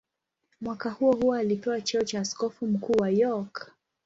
Mwaka huohuo alipewa cheo cha askofu mkuu wa York.